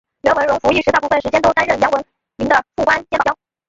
阮文戎服役时大部分时间都担任杨文明的副官兼保镖。